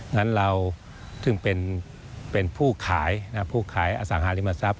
นั้นเราซึ่งเป็นผู้ขายผู้ขายอสังหาริมทรัพย